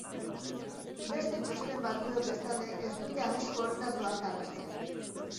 Beste txosten batzuek, bestalde, ez dute arrisku horretaz ohartarazten.